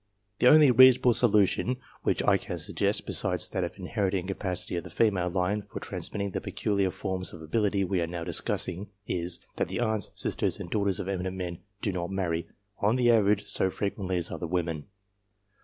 The only reasonable solution which I can suggest, besides that of inherent incapacity in the female line for transmitting the peculiar forms of ability we are now discussing, is, that the aunts, sisters, and daughters of eminent men do not marry, on the average, so frequently as other women.